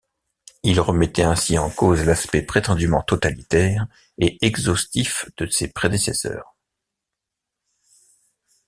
Il remettait ainsi en cause l'aspect prétendument totalitaire et exhaustif de ses prédécesseurs.